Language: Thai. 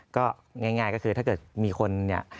ก็ง่ายก็คือถ้าเกิดมีคนเนี่ย